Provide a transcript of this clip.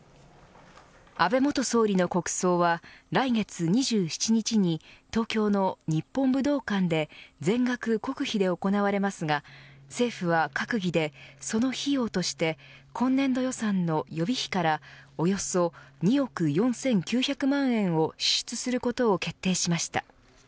安倍元総理の国葬は来月２７日に東京の日本武道館で全額国費で行われますが政府は閣議で、その費用として今年度予算の予備費からおよそ２億４９００万円を支出することを決定しました。